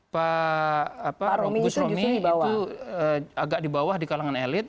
pak gus romi itu agak di bawah di kalangan elit